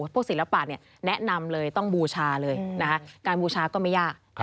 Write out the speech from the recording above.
ศิลปะแนะนำเลยต้องบูชาเลยนะคะการบูชาก็ไม่ยาก